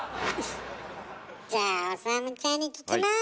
じゃあ理ちゃんに聞きます！